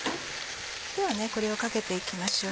ではこれをかけていきましょう。